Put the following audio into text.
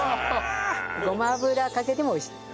ごま油をかけても美味しい。